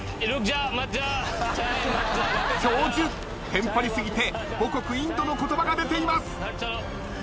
テンパり過ぎて母国インドの言葉が出ています。